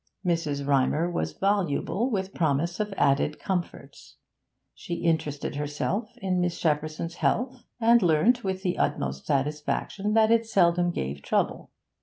Mrs. Rymer was voluble with promise of added comforts. She interested herself in Miss Shepperson's health, and learnt with the utmost satisfaction that it seldom gave trouble.